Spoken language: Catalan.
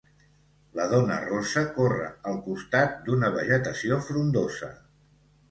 La dona rossa corre al costat d'una vegetació frondosa.